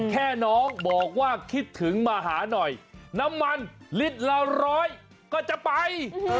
แค่น้องบอกว่าคิดถึงมาหาหน่อยน้ำมันลิตรละร้อยก็จะไป